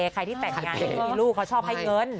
ใครที่แต่งงานมีลูกเขาชอบให้เงิน